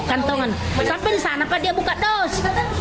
kantongan sampai disana apa dia buka dos